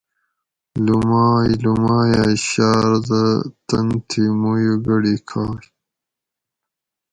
لومائ لومائ ھہ شاردہ تن تھی مو یو گۤڑی کھائ